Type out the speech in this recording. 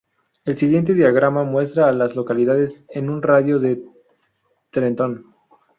El siguiente diagrama muestra a las localidades en un radio de de Trenton.